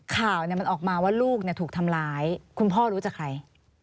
ข่าวมันออกมาว่าลูกถูกทำร้ายคุณพ่อรู้จักใคร